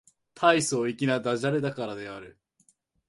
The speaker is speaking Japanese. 大層粋な駄洒落だからである